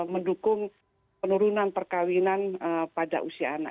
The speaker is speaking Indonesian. mendukung penurunan perkawinan anak anak